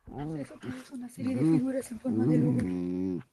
El proceso produce una serie de figuras en forma de lóbulo.